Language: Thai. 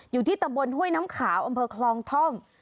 อยู่ที่ตำบลห้วยน้ำขาวอำเภอคลองท่อม